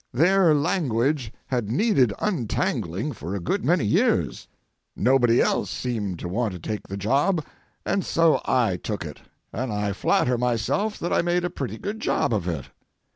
Their language had needed untangling for a good many years. Nobody else seemed to want to take the job, and so I took it, and I flatter myself that I made a pretty good job of it.